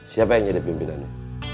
siapa yang jadi pimpinannya